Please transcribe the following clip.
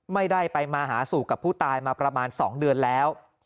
ไม่ได้ไปมาหาสู่กับผู้ตายมาประมาณ๒เดือนแล้ว